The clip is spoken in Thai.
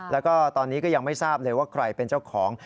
แล้วก็ตอนนี้ก็ยังไม่ทราบเลยว่าใครเป็นเจ้าของ